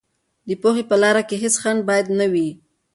د پوهې په لار کې هېڅ خنډ باید نه وي.